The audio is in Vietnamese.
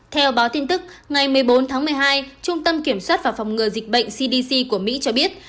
theo báo tin tức ngày một mươi bốn tháng một mươi hai trung tâm kiểm soát và phòng ngừa dịch bệnh cdc của mỹ cho biết